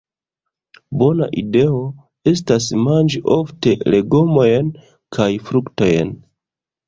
Bona ideo estas manĝi ofte legomojn kaj fruktojn.